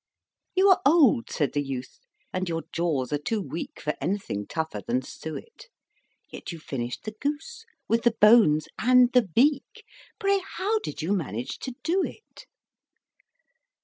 "You are old," said the youth, "and your jaws are too weak For anything tougher than suet; Yet you finished the goose, with the bones and the beak Pray, how did you manage to do it?"